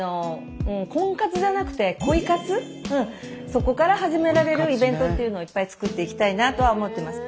そこから始められるイベントっていうのをいっぱい作っていきたいなとは思ってます。